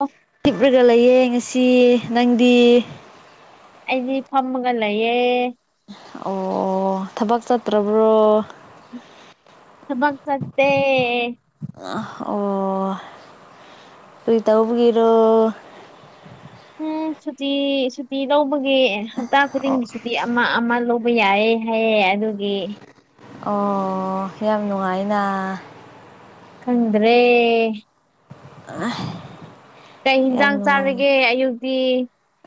ꯑꯣ ꯇꯤꯞꯂꯒ ꯂꯩꯌꯦ ꯉꯁꯤ ꯅꯪꯗꯤ ꯑꯩꯗꯤ ꯐꯝꯃꯒ ꯂꯩꯌꯦꯦ ꯑꯣ ꯊꯕꯛ ꯆꯠꯇ꯭ꯔꯕ꯭ꯔꯣ ꯃꯪ ꯆꯠꯇ ꯑ ꯑꯣ ꯄꯔꯤꯇꯥꯕꯨꯕꯒꯔꯣ ꯎꯝ ꯁꯨꯇꯤ ꯁꯨꯇꯤ ꯂꯧꯕꯒꯤ ꯍꯞꯇꯥ ꯈꯨꯗꯤꯡꯒꯤ ꯁꯨꯇꯤ ꯑꯃ ꯑꯃ ꯂꯧꯕ ꯌꯥꯏꯦ ꯍꯥꯏꯌꯦꯦ ꯑꯗꯨꯒꯤ ꯑꯣ ꯌꯥꯝ ꯅꯨꯡꯉꯥꯏꯅ ꯈꯗ꯭ꯔꯦ ꯑ ꯀꯩ ꯍꯤꯟꯖꯥꯡ ꯆꯥꯔꯒꯦ ꯑꯌꯨꯛꯇꯤ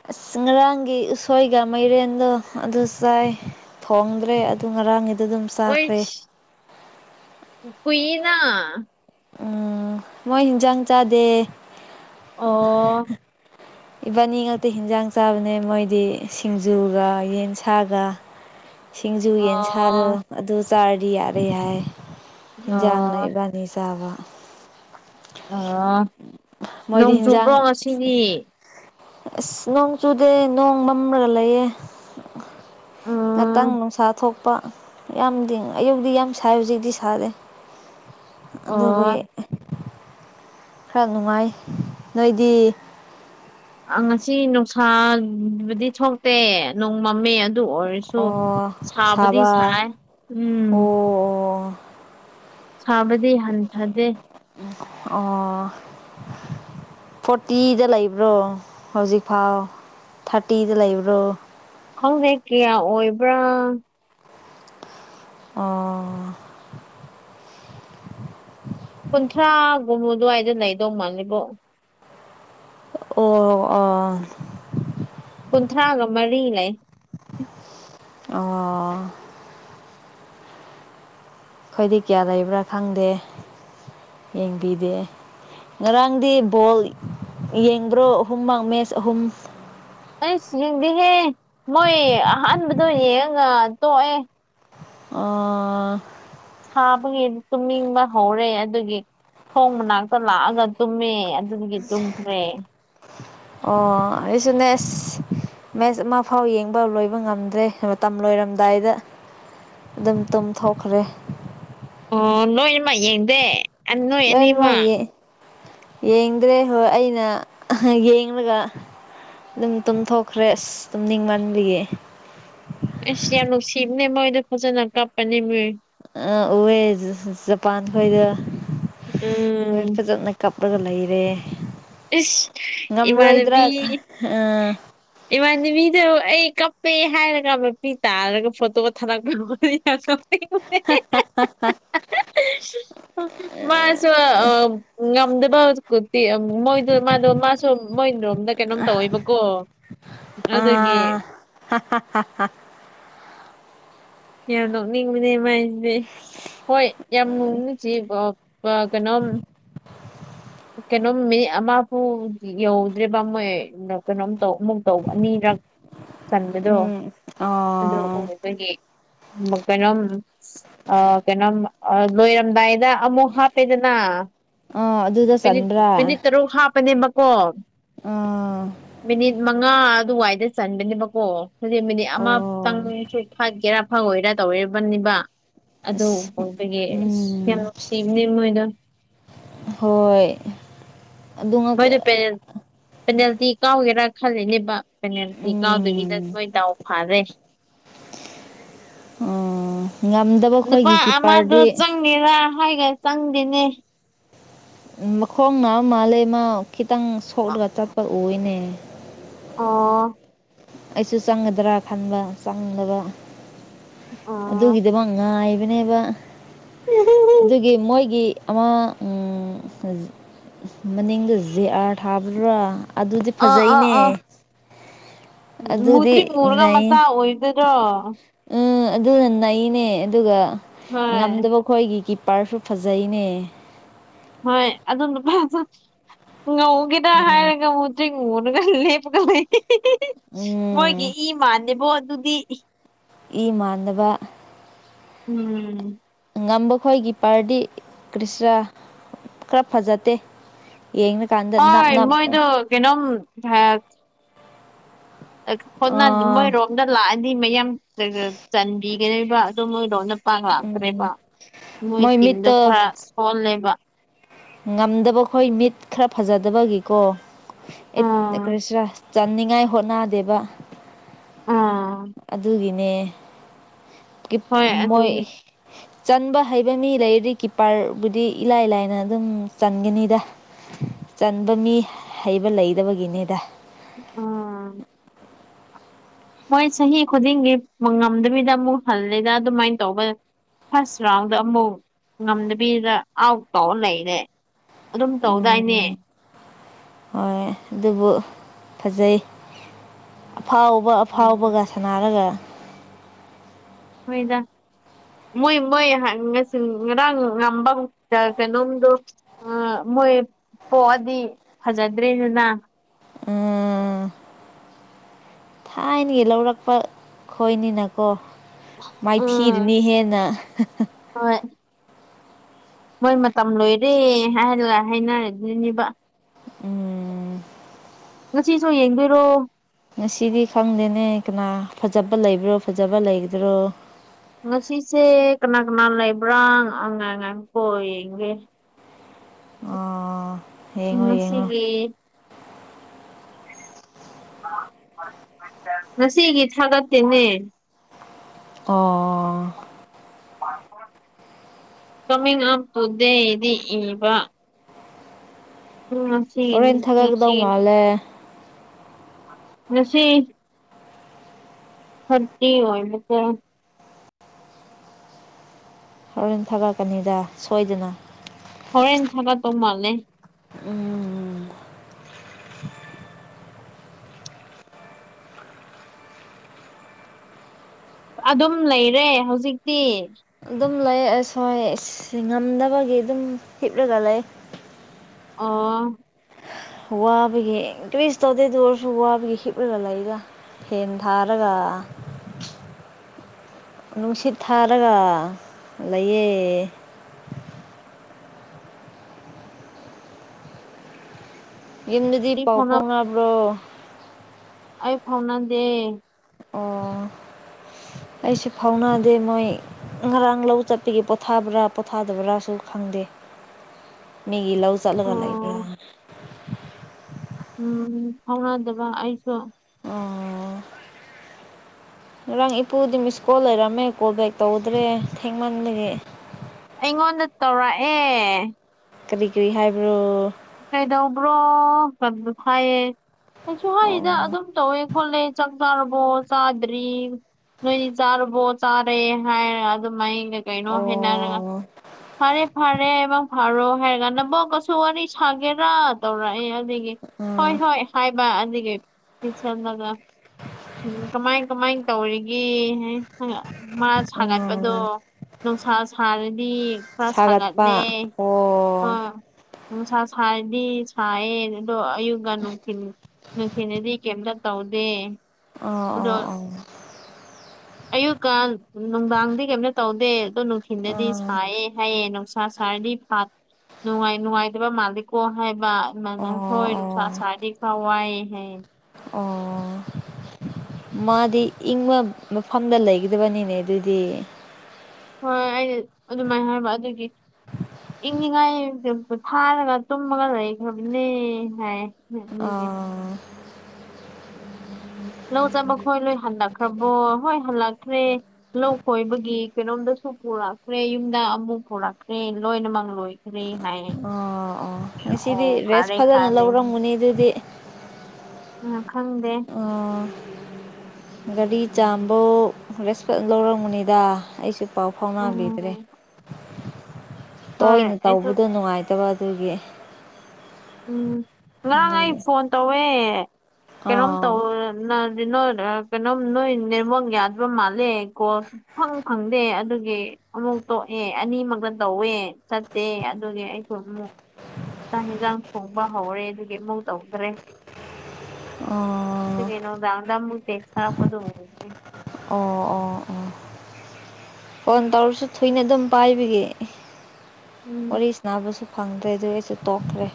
ꯑꯁ ꯉꯔꯥꯡꯒꯤ ꯎꯁꯣꯏꯒ ꯃꯩꯔꯦꯟꯗꯣ ꯑꯗꯨ ꯆꯥꯏ ꯐꯣꯡꯗ꯭ꯔꯦ ꯑꯗꯨ ꯉꯔꯥꯡꯒꯤꯗ ꯑꯗꯨꯝ ꯑꯣꯏ ꯆꯥꯈ꯭ꯔꯦ ꯀꯏꯅ ꯎꯝ ꯃꯣꯏ ꯍꯤꯟꯁꯥꯡ ꯆꯥꯗꯦ ꯑꯣ ꯏꯕꯥꯅꯤ ꯉꯥꯛꯛꯇ ꯍꯤꯟꯖꯥꯡ ꯆꯥꯕꯅꯦ ꯃꯣꯏꯗꯤ ꯁꯤꯡꯖꯨꯒ ꯌꯦꯟꯁꯥꯒ ꯁꯤꯡꯖꯨ ꯌꯦꯟꯁꯥꯗꯣ ꯑꯣ ꯑꯗꯨ ꯆꯥꯔꯗꯤ ꯌꯥꯔꯦ ꯍꯥꯏ ꯑꯦꯟꯖꯥꯡ ꯅ ꯑꯣ ꯏꯕꯥ ꯅꯤ ꯆꯥꯕ ꯑ ꯃꯣꯏꯗꯤ ꯅꯣꯡ ꯆꯨꯕ꯭ꯔꯣ ꯍꯤꯟꯖꯥꯡ ꯉꯁꯤꯅꯤ ꯑꯁ ꯅꯣꯡ ꯆꯨꯗꯦ ꯅꯣꯡ ꯃꯝꯃ꯭ꯔꯒ ꯂꯩꯌꯦꯦ ꯉꯥꯛꯇꯪ ꯑꯣ ꯅꯨꯡꯁꯥ ꯊꯣꯛꯄ ꯌꯥꯝꯗꯤ ꯑꯌꯨꯛꯇꯤ ꯌꯥꯝ ꯁꯥꯏ ꯍꯧꯖꯤꯛꯇꯤ ꯁꯥꯔꯦ ꯑꯗꯨ ꯑꯣ ꯈꯔ ꯅꯨꯡꯉꯥꯏ ꯅꯣꯏꯗꯤ ꯉꯁꯤ ꯅꯨꯡꯁꯥꯕꯨꯗꯤ ꯊꯣꯛꯇꯦ ꯅꯣꯡ ꯃꯃꯤꯃꯦ ꯑꯗꯨ ꯑꯣꯏꯔꯁꯨ ꯑꯣ ꯁꯥꯕꯨꯗꯤ ꯁꯥꯕ ꯁꯥꯏ ꯎꯝ ꯑꯣ ꯁꯥꯕꯗꯤ ꯍꯟꯊꯗꯦ ꯑꯣ ꯐꯣꯔꯇꯤꯗ ꯂꯩꯕ꯭ꯔꯣ ꯍꯧꯖꯤꯛꯐꯥꯎ ꯊꯥꯔꯇꯤꯗ ꯂꯩꯕ꯭ꯔꯣ ꯈꯪꯗꯦ ꯀꯌꯥ ꯑꯣꯏꯕ꯭ꯔꯥ ꯑꯣ ꯀꯨꯟꯊ꯭ꯔꯥꯒꯨꯝꯕꯨ ꯑꯗꯨꯋꯥꯏꯗ ꯂꯩꯗꯧ ꯃꯥꯜꯂꯤꯕꯣ ꯑꯣ ꯑꯣ ꯀꯨꯟꯊ꯭ꯔꯥꯒ ꯃꯔꯤ ꯂꯩ ꯑꯣ ꯑꯩꯈꯣꯏꯗꯤ ꯀꯌꯥ ꯂꯩꯕ꯭ꯔꯥ ꯈꯪꯗꯦ ꯌꯦꯡꯕꯤꯗꯦ ꯉꯔꯥꯡꯗꯤ ꯕꯣꯜ ꯌꯦꯡꯗ꯭ꯔꯣ ꯑꯍꯨꯝꯃꯛ ꯃꯦꯠꯆ ꯑꯍꯨꯝ ꯑꯩ ꯌꯦꯡꯗꯤꯍꯦ ꯃꯣꯏ ꯑꯍꯥꯟꯕꯗꯣ ꯌꯦꯡꯉꯒ ꯇꯣꯛꯑꯦ ꯑ ꯁꯥꯕꯒꯤ ꯇꯨꯝꯅꯤꯡꯕ ꯍꯧꯔꯦ ꯑꯗꯨꯒꯤ ꯊꯣꯡ ꯃꯅꯥꯛꯇ ꯂꯥꯛꯑꯒ ꯇꯨꯝꯃꯦ ꯑꯗꯨꯒꯤ ꯇꯨꯝꯈ꯭ꯔꯦ ꯑꯣ ꯑꯩꯁꯨꯅ ꯃꯦꯠꯆ ꯑꯃ ꯐꯥꯎ ꯌꯦꯡꯕ ꯂꯣꯏꯕ ꯉꯝꯗ꯭ꯔꯦ ꯃꯇꯝ ꯂꯣꯏꯔꯝꯗꯥꯏꯗ ꯑꯗꯨꯝ ꯇꯨꯝꯊꯣꯛꯈ꯭ꯔꯦ ꯑꯣ ꯅꯣꯏꯃ ꯌꯦꯡꯗꯦ ꯑ- ꯅꯣꯏ ꯂꯣꯏ ꯑꯅꯤꯃꯛ ꯃꯥꯒꯤ ꯌꯦꯡꯗ꯭ꯔꯦ ꯍꯣꯏ ꯑꯩꯅ ꯌꯦꯡꯂꯡꯒ ꯑꯗꯨꯝ ꯇꯨꯝꯊꯣꯛꯈ꯭ꯔꯦ ꯑꯁ ꯇꯨꯝꯅꯤꯡꯃꯕꯤꯌꯦ ꯑꯁ ꯌꯥꯝ ꯅꯨꯡꯁꯤꯕꯅꯦ ꯃꯣꯏꯗꯣ ꯐꯖꯅ ꯀꯥꯞꯄꯅꯦ ꯃꯤꯏ ꯑ ꯎꯑꯦ ꯖꯄꯥꯟ ꯈꯣꯏꯗꯣꯏ ꯎꯝ ꯐꯖꯅ ꯀꯞꯂꯒ ꯂꯩꯔꯦ ꯉꯝꯔꯣꯏꯗ꯭ꯔꯥ ꯏꯃꯥꯟꯅꯕꯤ ꯑꯥ ꯏꯃꯥꯟꯅꯕꯤꯗ ꯑꯩ ꯀꯞꯄꯦ ꯍꯥꯏꯔꯒ ꯃꯄꯤ ꯇꯥꯔꯒ ꯐꯣꯇꯣꯒ ꯊꯥꯗꯛꯄꯤꯔꯨ ꯁꯣꯁ ꯐꯠ ꯐꯠ ꯊꯠ ꯐꯠ ꯃꯥꯁꯨ ꯑ ꯉꯗ ꯐꯕ ꯈꯨꯠꯇ ꯃꯣꯏꯗꯣ ꯃꯥꯗꯣ ꯃꯥꯁꯨ ꯃꯣꯏꯔꯣꯝꯗ ꯀꯩꯅꯣꯝ ꯇꯧꯋꯦꯕꯀꯣ ꯑꯗꯨꯒꯤ ꯍ ꯍ ꯌꯥꯝ ꯅꯣꯛꯅꯤꯡꯕꯅꯦ ꯃꯥꯏꯁꯤꯗꯤ ꯍꯣꯏ ꯌꯥꯝ ꯅꯣꯛꯅꯤꯡ ꯖꯤꯕ ꯀꯅꯝ ꯀꯩꯅꯣꯝ ꯃꯤꯅꯤ ꯑꯃꯕꯨ ꯌꯧꯗ꯭ꯔꯤꯕ ꯃꯣꯏ ꯀꯩꯅꯣꯝ ꯇꯧ ꯑꯃꯨꯛ ꯇꯧꯕ ꯑꯅꯤꯔꯛ ꯆꯟꯕꯗꯣ ꯎꯝ ꯑꯗꯨ ꯑꯣ ꯑꯣꯏ ꯑꯩꯗꯒꯤ ꯀꯩꯅꯣꯝ ꯑ ꯀꯩꯅꯣꯝ ꯂꯣꯏꯔꯝꯗꯥꯏꯗ ꯑꯃꯨꯛ ꯍꯥꯞꯄꯦꯗꯅ ꯑ ꯑꯗꯨ ꯃꯤꯅꯤꯠ ꯃꯤꯅꯤꯠ ꯇꯔꯨꯛ ꯍꯥꯞꯄꯅꯦ ꯃꯀꯣ ꯑꯥ ꯃꯤꯅꯤꯠ ꯃꯉꯥ ꯑꯗꯨꯋꯥꯏꯗ ꯆꯟꯕꯅꯦꯕꯀꯣ ꯍꯧꯖꯤꯛ ꯃꯤꯅꯤꯠ ꯑꯣ ꯑꯃꯇꯪꯁꯨ ꯐꯒꯦꯔꯥ ꯐꯉꯣꯏꯔꯥ ꯇꯧꯔꯤꯕꯅꯤꯕ ꯑꯗꯨ ꯑꯁ ꯄꯣꯛꯕꯒꯤꯁ ꯌꯥꯝ ꯎꯝ ꯅꯨꯡꯁꯤꯕꯅꯦ ꯃꯣꯏꯗꯣ ꯍꯣꯏ ꯑꯗꯨ ꯉꯛꯇ ꯃꯣꯏꯗ ꯄꯦꯅꯥꯜꯇꯤ ꯀꯥꯎꯒꯦꯔꯥ ꯈꯜꯂꯤꯅꯦꯕ ꯀꯦꯅꯦꯜꯇꯤ ꯀꯥꯎꯗꯕꯤꯗ ꯂꯣꯏ ꯇꯗꯥꯥꯎ ꯐꯥꯔꯦ ꯑꯣ ꯉꯝꯗꯕ ꯑꯩꯈꯣꯏꯒꯤ ꯀꯤꯄꯔꯗꯤ ꯆꯪꯅꯤꯦꯔ ꯍꯥꯏꯒ ꯆꯪꯗꯦꯅꯦ ꯃꯈꯣꯡꯅ ꯃꯥꯜꯂꯦ ꯃꯥ ꯈꯤꯇꯪ ꯑꯣ ꯁꯣꯛꯂꯒ ꯆꯠꯄ ꯎꯅꯦ ꯑꯣ ꯑꯩꯁꯨ ꯆꯪꯒꯗ꯭ꯔꯥ ꯈꯟꯕ ꯆꯪꯗꯕ ꯑꯥ ꯑꯗꯨꯒꯤꯗꯃꯛ ꯉꯥꯏꯕꯅꯦꯕ ꯑꯗꯨꯒꯤ ꯃꯣꯏꯒꯤ ꯑꯃ ꯃꯅꯤꯡꯗ ꯖ ꯑꯥꯔ ꯊꯥꯕꯗꯨ꯭ꯔꯥ ꯑꯗꯨꯗꯤ ꯑꯥ ꯐꯖꯩꯅꯦ ꯑꯥ ꯑꯗꯨꯗꯤ ꯃꯨꯗ꯭ꯔꯤ ꯃꯨꯔꯒ ꯅ ꯃꯆꯥ ꯑꯣꯏꯗꯣꯏꯔꯣ ꯎꯝ ꯑꯗꯨꯅ ꯅꯩꯅꯦ ꯑꯗꯨꯒ ꯍꯣꯏ ꯉꯝꯗꯕ ꯑꯩꯈꯣꯏꯒꯤ ꯀꯤꯄꯥꯔꯁꯨ ꯐꯖꯩꯅꯦ ꯍꯣꯏ ꯑꯗꯨ ꯅꯨ ꯉꯒꯦꯗ ꯎꯝ ꯃꯉꯅꯒ ꯂꯦꯄꯒ ꯂꯩ ꯎꯝ ꯏ ꯏ ꯃꯥꯥꯟꯅꯦꯕꯣ ꯑꯗꯨꯗꯤ ꯏ ꯃꯥꯟꯗꯅꯕ ꯎꯝ ꯉꯝꯕ ꯈꯣꯏꯒꯤ ꯄꯥꯔꯗꯤ ꯀ꯭ꯔꯤꯁꯅ ꯈꯔ ꯐꯖꯗꯦ ꯌꯦꯡꯅꯀꯥꯟꯗ ꯅꯞ ꯅꯞ ꯩꯅꯝ ꯍ ꯍꯣ ꯑꯥ ꯃꯣꯏꯔꯣꯝꯗ ꯂꯥꯛꯑꯗꯤ ꯃꯌꯥꯝ ꯆꯟꯕꯤꯒꯅꯦꯕ ꯑꯗꯨꯣ ꯃꯣꯏꯔꯣꯝꯗ ꯄꯥꯡꯂꯥꯛꯇ꯭ꯔꯦꯕ ꯃꯣꯏ ꯇꯤꯝꯗꯣ ꯈꯔ ꯁꯣꯍꯜꯂꯦꯕ ꯉꯝꯗꯕ ꯈꯣꯏ ꯃꯤꯠ ꯈꯔ ꯐꯖꯗꯕꯒꯤꯀꯣ ꯑꯥ ꯈ꯭ꯔꯤꯁꯥꯁ ꯆꯥꯅꯤꯡꯉꯥꯏ ꯍꯣꯠꯅꯗꯦꯕ ꯑꯥ ꯑꯗꯨꯒꯤꯅꯦ ꯍꯣꯏ ꯃꯣꯏ ꯑꯗꯨꯒꯤ ꯆꯟꯕ ꯍꯩꯕ ꯃꯤ ꯂꯩꯔꯗꯤ ꯀꯤꯞꯄꯔꯕꯨꯗꯤ ꯏꯂꯥꯏ ꯂꯥꯏꯅ ꯑꯗꯨꯝ ꯆꯟꯒꯅꯤꯗ ꯆꯟꯕ ꯃꯤ ꯍꯩꯕ ꯂꯩꯗꯕꯒꯤꯅꯤꯗ ꯑꯣ ꯃꯣꯏ ꯆꯍꯤ ꯈꯨꯗꯤꯡꯒꯤ ꯉꯝꯗꯕꯤꯗ ꯑꯃꯨꯛ ꯍꯜꯂꯤꯗ ꯑꯗꯨꯃꯥꯏꯅ ꯇꯧꯕ ꯐꯥꯔꯁ ꯔꯥꯎꯟꯗ ꯑꯃꯨꯛ ꯉꯝꯗꯕꯤꯗ ꯑꯥꯎꯠ ꯇꯧꯔ ꯂꯩꯔꯦ ꯑꯗꯨꯝ ꯇꯧꯗꯥꯏꯅꯦ ꯎꯝ ꯍꯣꯏ ꯑꯗꯨꯕꯨ ꯐꯖꯩ ꯑꯐꯥꯎꯕ ꯎꯝ ꯑꯐꯥꯎꯕꯒ ꯁꯥꯟꯅꯔꯒ ꯍꯣꯏꯗ ꯃꯣꯏ ꯃꯣꯏ ꯉꯁꯤ ꯉꯔꯥꯡ ꯉꯝꯕ ꯀꯩꯅꯣꯝꯗꯣ ꯑ ꯃꯣꯏ ꯄꯣꯛꯑꯗꯤ ꯐꯖꯗ꯭ꯔꯔꯤꯅꯤꯅ ꯎꯝ ꯊꯥꯏꯅꯒꯤ ꯂꯧꯔꯛꯄ ꯈꯣꯏꯅꯤꯅꯀꯣ ꯃꯥꯏꯊꯤ ꯎꯝ ꯀꯤꯔꯅꯤ ꯍꯦꯟꯅ ꯍꯣꯏ ꯃꯣꯏ ꯃꯇꯝ ꯂꯣꯏꯔꯦ ꯍꯥꯏꯂ ꯍꯥꯏꯅꯔꯗꯨꯅꯦꯕ ꯎꯝ ꯉꯁꯤꯁꯨ ꯌꯦꯡꯗꯣꯏꯔꯣ ꯉꯁꯤꯗꯤ ꯈꯪꯗꯦꯅꯦ ꯀꯅꯥ ꯐꯖꯕ ꯂꯩꯕ꯭ꯔꯣ ꯐꯖꯕ ꯂꯩꯒꯗ꯭ꯔꯣ ꯉꯁꯤꯁꯦ ꯀꯅꯥ ꯀꯅꯥ ꯂꯩꯕ꯭ꯔꯥ ꯑꯉꯥꯡꯉꯥꯡ ꯀꯣ ꯌꯦꯡꯒꯦ ꯑꯥ ꯎꯝ ꯁꯤꯒꯦ ꯉꯁꯤꯒꯤ ꯊꯥꯒꯠꯇꯦꯅꯦ ꯇꯣ ꯀꯃꯤꯡ ꯑꯞ ꯇꯨ ꯗꯦꯗꯤ ꯏꯕ ꯎꯝ ꯍꯣꯔꯦꯟ ꯊꯥꯒꯠꯀꯗꯧ ꯁꯤꯅꯤꯁꯤꯅꯤ ꯃꯥꯜꯂꯦ ꯉꯁꯤ ꯐꯗꯤꯤ ꯑꯣꯏꯠꯇ ꯍꯣꯔꯦꯟ ꯊꯥꯒꯠꯛꯀꯅꯤꯗ ꯁꯣꯏꯗꯅ ꯍꯣꯔꯦꯟ ꯊꯂ ꯇꯧꯃꯜꯂꯦ ꯎꯝ ꯑꯗꯨꯝ ꯂꯩꯔꯦ ꯍꯧꯖꯤꯛꯇꯤ ꯑꯗꯨꯝ ꯂꯩꯁꯋꯥꯏ ꯉꯝꯗꯕꯒꯤ ꯑꯗꯨꯝ ꯍꯤꯞꯂꯒ ꯂꯩ ꯑꯣ ꯋꯥꯕꯒꯤ ꯏꯟꯀ꯭ꯔꯤꯁ ꯇꯧꯗꯦ ꯑꯗꯨ ꯑꯣꯏꯔꯁꯨ ꯋꯥꯕꯒꯤ ꯍꯤꯞꯂꯒ ꯂꯩꯔ ꯍꯦꯟꯟꯙꯔꯒ ꯅꯨꯡꯁꯤꯠ ꯊꯥꯔꯒ ꯂꯩꯌꯦ ꯌꯨꯝꯗꯗꯤ ꯑꯩ ꯄꯥꯎ ꯐꯥꯎꯅ ꯐꯥꯎꯅꯕ꯭ꯔꯣ ꯑꯩ ꯐꯥꯎꯅꯥ ꯗꯦ ꯑꯣ ꯑꯩꯁꯨ ꯐꯥꯎꯅꯗꯦ ꯃꯣꯏ ꯉꯔꯥꯡ ꯂꯧ ꯆꯠꯄꯒꯤ ꯄꯣꯊꯥꯕ꯭ꯔꯥ ꯄꯣꯊꯥꯗꯕ꯭ꯔꯥꯁꯨ ꯈꯪꯗꯦ ꯃꯤꯒꯤ ꯂꯑꯣ ꯆꯠꯂꯒ ꯂꯩꯕ ꯑꯣ ꯎꯝ ꯐꯥꯎꯅꯥꯗꯕ ꯑꯁꯨꯣ ꯑꯣ ꯉꯔꯥꯡ ꯏꯄꯨꯗꯤ ꯃꯤꯁ ꯀꯣꯜ ꯂꯩꯔꯝꯃꯦ ꯀꯣꯜ ꯕꯦꯛ ꯇꯧꯗ꯭ꯔꯦ ꯊꯦꯡꯃꯟꯗꯒꯤ ꯑꯩꯉꯣꯟꯗ ꯇꯧꯔꯛꯑꯦ ꯀꯔꯤ ꯀꯔꯤ ꯍꯥꯏꯕ꯭ꯔꯣ ꯀꯩꯗꯧꯕ꯭ꯔꯣ ꯍꯥꯏꯌꯦ ꯀꯁꯨ ꯍꯥꯏꯔꯤꯗ ꯑꯣ ꯑꯗꯨꯝ ꯇꯧꯋꯦ ꯍꯣꯂꯦ ꯆꯪ ꯆꯥꯔꯔꯕꯣ ꯆꯗ꯭ꯔꯤ ꯅꯣꯏꯗꯤ ꯆꯥꯔꯕꯣ ꯆꯥꯔꯦ ꯍꯥꯏꯔ ꯑꯗꯨꯃꯥꯏꯅ ꯀꯩꯅꯣ ꯍꯥꯏꯅꯔ ꯑꯣ ꯐꯔꯦ ꯐꯔꯦ ꯃꯪ ꯐꯥꯔꯣ ꯍꯥꯏꯔꯒ ꯅꯕꯣꯛꯀꯁꯨ ꯋꯥꯔꯤ ꯁꯥꯒꯦꯔꯥ ꯇꯧꯔꯛꯑꯦ ꯑꯗꯨꯗꯒꯤ ꯍꯣꯏ ꯎꯝ ꯍꯣꯏ ꯍꯥꯏꯥꯏꯕ ꯑꯗꯒꯤ ꯆꯜꯂꯒ ꯎꯝ ꯀꯃꯥꯏ ꯀꯃꯥꯏ ꯇꯧꯔꯤꯒꯦ ꯃꯥ ꯁꯥꯒꯠꯄꯗꯣ ꯎꯝ ꯅꯨꯡꯁꯥ ꯁꯥꯔꯗꯤ ꯈꯔ ꯁꯥꯒꯠꯂꯦ ꯁꯥꯒꯠꯄ ꯑ ꯑꯣ ꯅꯨꯡꯁꯥ ꯁꯔꯗꯤ ꯁꯥꯏꯌꯦ ꯑꯗꯣ ꯑꯌꯨꯛꯀ ꯅꯨꯡꯊꯤꯜ ꯅꯨꯡꯊꯤꯟꯗꯗꯤ ꯀꯩꯏꯝꯇ ꯇꯧꯗꯦ ꯑꯣ ꯑꯗꯣ ꯑꯣ ꯑꯣ ꯑꯌꯨꯛꯀ ꯅꯨꯡꯗꯥꯡꯗꯤ ꯀꯩꯝꯇ ꯇꯧꯗꯦ ꯑꯗꯣ ꯅꯨꯡꯊꯤꯤꯟꯗꯗꯤ ꯑꯥ ꯁꯥꯏꯌꯦ ꯍꯥꯏꯌꯦꯦ ꯅꯨꯡꯁꯥ ꯁꯥꯔꯗꯤꯥ ꯅꯨꯡꯉꯥꯏ ꯅꯨꯡꯉꯥꯏ ꯀ ꯃꯜꯛꯣ ꯍꯥꯏꯦꯕ ꯃ ꯑꯥ ꯍꯣꯏꯔꯅꯨꯡ ꯑꯣ ꯆꯥ ꯑꯣ ꯆꯥꯗꯤ ꯈꯋꯥꯥꯏꯍꯦ ꯑꯣ ꯎꯝ ꯃꯥꯗꯤ ꯏꯪꯕ ꯃꯐꯝꯗ ꯂꯩꯒꯗꯕꯅꯤꯅꯦ ꯑꯗꯨꯏꯗꯤ ꯍꯣꯏꯣꯏ ꯑꯩ ꯑꯗꯨꯃꯥꯏꯅ ꯍꯥꯏꯕ ꯑꯗꯨꯒꯤ ꯏꯪꯅꯤꯡꯉꯥꯏ ꯊꯥꯔꯒ ꯇꯨꯝꯃꯒ ꯂꯩꯈ꯭ꯔꯕꯅꯦ ꯍꯥꯏ ꯅꯒꯤ ꯑꯥ ꯂꯧ ꯆꯥꯕ ꯈꯣꯏ ꯂꯣꯏ ꯍꯜꯂꯛꯈ꯭ꯔꯕꯣ ꯍꯣꯏ ꯍꯜꯂꯛꯈ꯭ꯔꯦ ꯂꯧ ꯀꯣꯏꯕꯒꯤ ꯀꯩꯅꯣꯝꯗꯁꯨ ꯄꯨꯔꯛꯈ꯭ꯔꯦ ꯌꯨꯝꯗ ꯑꯃꯨꯛ ꯄꯨꯔꯛꯈ꯭ꯔꯦ ꯂꯣꯏꯅꯃꯛ ꯂꯣꯏ ꯔꯤ ꯍꯥꯏ ꯑꯥ ꯑꯥ ꯑꯣ ꯉꯁꯤꯗꯤ ꯔꯦꯁ ꯐꯥꯔꯦ ꯐꯖꯅ ꯐꯥꯔꯦ ꯂꯧꯔꯝꯒꯅꯤ ꯑꯗꯨꯗꯤ ꯎꯝ ꯈꯪꯗꯦ ꯑꯥ ꯒꯥꯔꯤ ꯆꯥꯝꯕ ꯔꯦꯁꯄꯣꯟ ꯂꯧꯔꯝꯃꯨꯅꯤꯗ ꯑꯩꯁꯨ ꯄꯥꯎ ꯐꯥꯎꯅꯕꯤꯗ꯭ꯔꯦ ꯎꯝ ꯍꯣꯏ ꯇꯣꯏꯅ ꯑꯩꯁꯨ ꯇꯧꯕꯗꯣ ꯅꯨꯡꯉꯥꯏꯇꯕ ꯑꯗꯨꯒꯤ ꯎꯝ ꯉꯔꯥꯡ ꯑꯩ ꯑꯗꯨꯒꯤ ꯐꯣꯟ ꯇꯧꯋꯦ ꯀꯩꯅꯣꯝ ꯇꯧ ꯑꯥ ꯅꯣ ꯀꯩꯅꯣ ꯅꯣꯏ ꯅꯤꯔꯃꯜ ꯌꯥ ꯑꯗꯨꯕ ꯃꯜꯦ ꯑꯩꯣ ꯈꯪꯉ ꯈꯪꯗꯦ ꯑꯗꯨꯒꯤ ꯑꯃꯨꯛ ꯇꯣꯛꯑꯦ ꯑꯅꯤꯃꯛꯇ ꯇꯧꯋꯦ ꯆꯠꯇꯦ ꯑꯗꯨꯒꯤ ꯑꯩꯁꯨ ꯑꯃꯨꯛ ꯆꯥꯡ ꯌꯦꯟꯁꯥꯡ ꯊꯣꯡꯕ ꯍꯧꯔꯦ ꯑꯗꯨꯒꯤ ꯑꯃꯧ ꯇꯧꯗ꯭ꯔꯦ ꯑꯗꯨ ꯑꯥ ꯀꯩꯅꯣꯗꯝꯗꯝꯦꯛꯁꯄ ꯑꯗꯨ ꯑꯣ ꯑꯣ ꯑꯣ ꯐꯣꯟ ꯇꯧꯔꯁꯨ ꯊꯨꯅ ꯑꯗꯨꯝ ꯄꯥꯏꯕꯒꯤ ꯎꯝ ꯋꯥꯔꯤꯁꯤꯕꯨꯁꯨ ꯐꯪꯗ꯭ꯔꯦ ꯑꯗꯨ ꯑꯩꯁꯨ ꯇꯣꯛꯈ꯭ꯔꯦ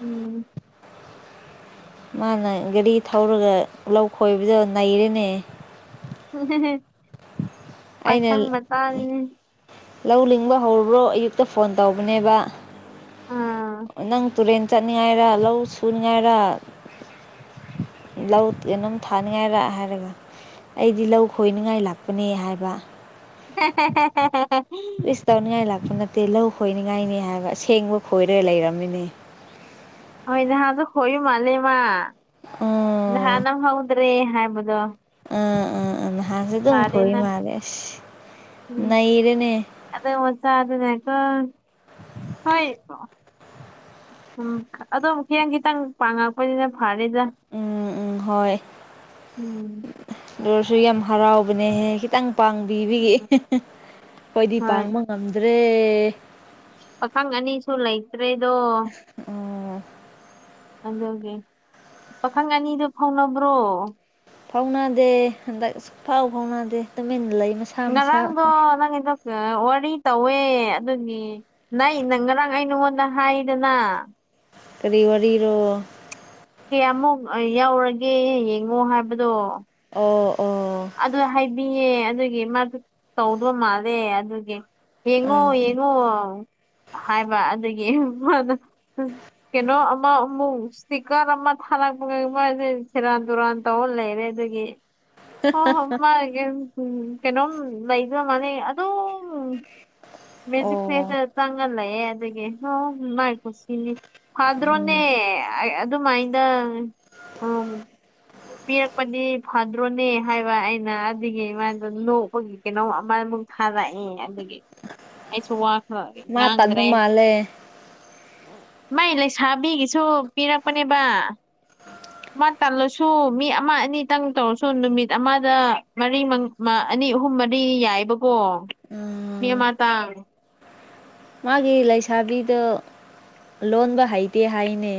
ꯎꯝ ꯃꯥꯅ ꯒꯥꯔꯤ ꯊꯧꯔꯒ ꯂꯧ ꯈꯣꯏꯕꯗꯣ ꯅꯩꯔꯦꯅꯦ ꯎ ꯍ ꯍ ꯑꯩꯅ ꯂꯧ ꯂꯤꯡꯕ ꯍꯧꯔꯕ꯭ꯔꯣ ꯑꯌꯨꯛꯇ ꯐꯣꯟ ꯇꯧꯕꯅꯦꯕ ꯑꯥ ꯅꯪ ꯇꯨꯔꯦꯟ ꯆꯠꯅꯤꯡꯉꯥꯏꯔ ꯂꯧ ꯁꯨꯅꯤꯉꯥꯏꯔ ꯂꯧ ꯑꯗꯨꯝ ꯊꯥꯅꯤꯡꯉꯥꯏꯔ ꯍꯥꯏꯔꯒ ꯑꯩꯗꯤ ꯂꯧ ꯈꯣꯏꯅꯤꯡꯉꯥꯏ ꯂꯥꯛꯄꯅꯦ ꯍꯥꯏꯕ ꯍ‌ꯦ ꯀꯔꯤꯁꯨ ꯇꯧꯅꯤꯡꯉꯥꯏ ꯂꯥꯛꯄ ꯅꯠꯇꯦ ꯂꯧ ꯈꯣꯏꯅꯤꯡꯉꯥꯏꯅꯤ ꯍꯥꯏꯕ ꯑꯁꯦꯡꯕ ꯈꯣꯏꯔꯒ ꯂꯩꯔꯝꯃꯤꯅꯦ ꯍꯣꯏ ꯅꯍꯥꯁꯨꯣ ꯍꯣꯏꯌꯨ ꯃꯥꯜꯂꯦꯃ ꯎꯝ ꯅꯍꯥꯟ ꯅꯪ ꯍꯧꯗ꯭ꯔꯦ ꯍꯥꯏꯕꯗꯣ ꯑꯥ ꯑꯥ ꯑꯥ ꯅꯍꯥꯟꯁꯦ ꯑꯗꯨꯝ ꯐꯔꯦ ꯈꯣꯏꯏ ꯅꯪ ꯃꯥꯜꯂꯦ ꯑꯁ ꯅꯩꯔꯦꯅꯦ ꯑꯗ ꯑꯣ ꯆ ꯑꯗꯅꯦꯀ ꯍꯣꯏꯀꯣ ꯎꯝ ꯑꯗꯣꯛ ꯈꯤꯇꯪ ꯈꯤꯇꯪ ꯄꯥꯡꯉꯛꯄꯅꯤꯅ ꯐꯔꯦꯗ ꯎꯝ ꯎꯝ ꯍꯣꯏ ꯎꯝ ꯂꯣꯔꯁꯨ ꯌꯥꯝ ꯍꯔꯥꯎꯕꯅꯦꯍꯦ ꯈꯤꯇꯪ ꯄꯥꯡꯕꯤꯕꯤ ꯑꯩꯣꯏꯗꯤ ꯍꯣꯏ ꯄꯥꯡꯕ ꯉꯝꯗ꯭ꯔꯦ ꯄꯥꯈꯪ ꯑꯅꯤꯁꯨ ꯂꯩꯇ꯭ꯔꯦꯗꯣ ꯑꯗꯨꯒꯤ ꯄꯥꯈꯪ ꯑꯅꯤꯗꯨ ꯐꯥꯎꯅꯕ꯭ꯔꯣ ꯐꯥꯎꯅꯗꯦ ꯍꯟꯗꯛ ꯑꯛ ꯐꯥꯎ ꯐꯥꯎꯅꯗꯦ ꯇꯨꯃꯤꯟꯅ ꯂꯩ ꯃꯁꯥ ꯃꯁꯥ ꯉꯔꯥꯡꯗꯣ ꯅꯪꯗ ꯋꯥꯔꯤ ꯇꯧꯋꯦ ꯑꯗꯨꯒꯤ ꯅꯪ ꯅꯪ ꯉꯔꯥꯡ ꯑꯩ ꯅꯉꯣꯟꯗ ꯍꯥꯏꯗꯅ ꯀꯔꯤ ꯋꯥꯔꯤꯔꯤꯔꯣ ꯀꯌꯥꯃꯨꯛ ꯌꯥꯎꯔꯒꯦ ꯌꯦꯡꯉꯣ ꯍꯥꯏꯕꯗꯣ ꯑꯣ ꯑꯣ ꯑꯗꯨ ꯍꯥꯏꯕꯤꯌꯦ ꯑꯗꯨꯒꯤ ꯃꯥꯗꯨ ꯇꯧꯗꯧ ꯃꯥꯜꯂꯦ ꯑꯗꯨꯒꯤ ꯌꯦꯡꯉꯣ ꯑꯥ ꯑꯣ ꯍꯥꯏꯕ ꯑꯗꯨꯗꯒꯤ ꯃꯥ ꯀꯩꯅꯣ ꯑꯃ ꯑꯃꯨꯛ ꯏꯁꯇꯤꯀꯔ ꯑꯃ ꯊꯥꯔꯛꯄꯒꯩ ꯃꯁꯦ ꯁꯦꯔꯥꯟ ꯇꯨꯔꯥꯟ ꯇꯧꯜ ꯂꯩꯅꯦꯦ ꯑꯗꯨꯒꯤ ꯍ ꯍꯣ ꯃꯥ ꯎ ꯀꯩꯅꯣꯝ ꯂꯩꯗꯨꯅ ꯃꯥꯅꯦ ꯑꯗꯨꯗꯣ ꯃꯦꯖꯤꯛꯁꯦ ꯑꯣ ꯆꯪꯉꯜꯂꯛꯑꯦ ꯑꯗꯨꯗꯒꯤ ꯍ ꯃꯥꯏ ꯀꯨ ꯁꯤꯅꯤ ꯐꯗ꯭ꯔꯣꯅꯦ ꯎꯝ ꯑꯗꯨꯃꯥꯏꯗ ꯑ ꯄꯤꯔꯛꯄꯅꯤ ꯐꯗ꯭ꯔꯣꯅꯦ ꯍꯥꯏꯕ ꯑꯩꯅ ꯑꯗꯨꯒꯤ ꯃꯥꯃꯗꯣ ꯂꯣꯛꯄꯒꯤ ꯀꯩꯅꯣꯝ ꯑꯃꯃꯨꯛ ꯊꯥꯔꯛꯑꯦ ꯑꯗꯨꯒꯤ ꯑꯩꯁꯨ ꯋꯥ ꯃꯥ ꯇꯟꯕ ꯉꯥꯡꯗ꯭ꯔꯦ ꯃꯥꯜꯂꯦ ꯃꯥꯏ ꯂꯩꯁꯥꯕꯤꯒꯤꯁꯨ ꯄꯤꯔꯛꯄꯅꯦꯕ ꯃꯥ ꯇꯜꯂꯁꯨ ꯃꯤ ꯑꯃ ꯑꯅꯤꯇꯪ ꯇꯧꯔꯁꯨ ꯅꯨꯃꯤꯠ ꯑꯃꯗ ꯃꯔꯤ ꯑꯅꯤ ꯑꯍꯨꯝ ꯃꯔꯤ ꯌꯥꯏꯕꯀꯣ ꯎꯝ ꯃꯤꯃ ꯇꯥꯕꯦ ꯃꯥꯒꯤ ꯂꯩꯁꯥꯕꯤꯗꯣ ꯂꯣꯟꯕ ꯍꯩꯇꯦ ꯍꯥꯏꯅꯦ